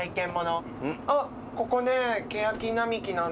あっここね。